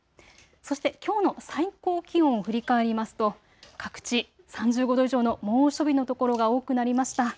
そしてきょうの最高気温、振り返りますと各地３５度以上の猛暑日の所が多くなりました。